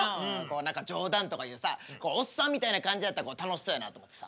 何か冗談とか言うさおっさんみたいな感じやったら楽しそうやなと思ってさ。